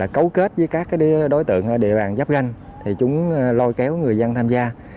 cấu kết với các đối tượng ở địa bàn giáp ganh chúng lôi kéo người dân tham gia